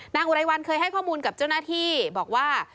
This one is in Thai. อุไรวันเคยให้ข้อมูลกับเจ้าหน้าที่บอกว่า